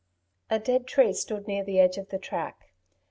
A dead tree stood near the edge of the track.